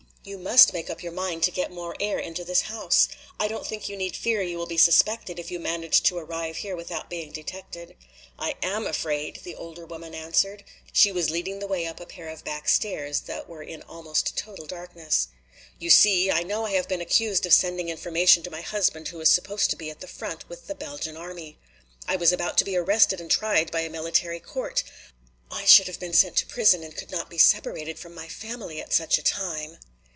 You must make up your mind to get more air into this house. I don't think you need fear you will be suspected, if you managed to arrive here without being detected." "I am afraid," the older woman answered. She was leading the way up a pair of back stairs that were in almost total darkness. "You see, I know I have been accused of sending information to my husband who is supposed to be at the front with the Belgian army. I was about to be arrested and tried by a military court. I should have been sent to prison and I could not be separated from my family at such a time!"